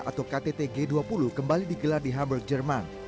atau ktt g dua puluh kembali digelar di hamburg jerman